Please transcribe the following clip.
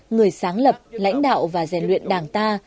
người sáng lập lãnh đạo và rèn luyện đảng ta